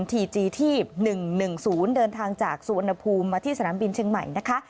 ทีจีที่หนึ่งหนึ่งศูนย์เดินทางจากสุวรรณภูมิมาที่สนามบินเชียงใหม่นะคะ